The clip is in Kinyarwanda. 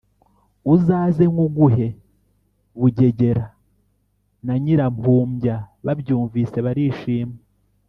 uzaze nywuguhe”. Bugegera na Nyirampumbya babyumvise barishima